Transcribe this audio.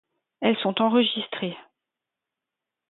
Elles sont enregistrées.